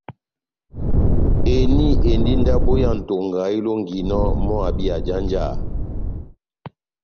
Eni endi ndabo ya Ntonga elonginɔ mɔ́ abi ajanjaha.